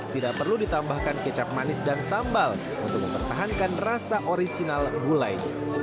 tidak perlu ditambahkan kecap manis dan sambal untuk mempertahankan rasa orisinal gulai